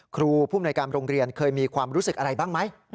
ครูผู้อำนวยการโรงเรียนเคยมีความรู้สึกอะไรบ้างไหม